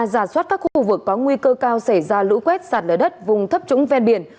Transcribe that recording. giả soát các khu vực có nguy cơ cao xảy ra lũ quét sạt lở đất vùng thấp trũng ven biển